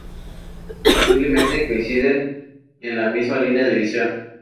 Simplemente coinciden en la misma línea de visión.